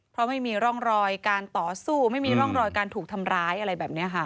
เพราะไม่มีร่องรอยการต่อสู้ไม่มีร่องรอยการถูกทำร้ายอะไรแบบนี้ค่ะ